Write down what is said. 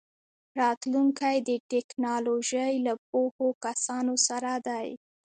راتلونکی د ټیکنالوژۍ له پوهو کسانو سره دی.